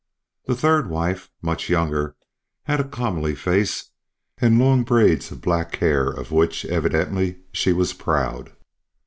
The third wife, much younger, had a comely face, and long braids of black hair, of which, evidently, she was proud.